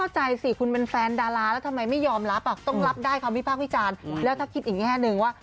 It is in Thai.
ใช่ค่ะพี่ภาคพี่จานแล้วถ้าคิดอีกแค่หนึ่งว่า